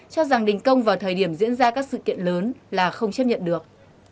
cho rằng đình công vào thời điểm diễn ra các sự kiện lớn là không chấp nhận được